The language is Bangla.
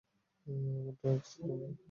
আমার ড্রাগস লাগবে, কিপ।